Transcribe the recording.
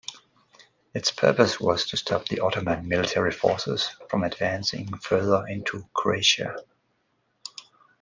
Its purpose was to stop the Ottoman military forces from advancing further into Croatia.